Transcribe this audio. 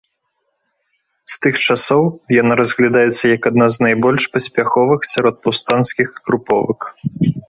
З тых часоў яна разглядаецца як адна з найбольш паспяховых сярод паўстанцкіх груповак.